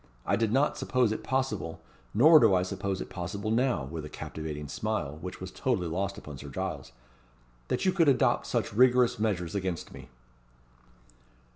I did not suppose it possible nor do I suppose it possible now" with a captivating smile, which was totally lost upon Sir Giles "that you could adopt such rigorous measures against me."